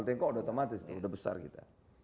tiongkok sudah otomatis sudah besar kita